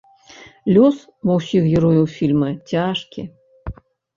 Лёс ва ўсіх герояў фільма цяжкі.